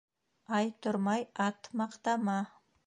Ай тормай ат маҡтама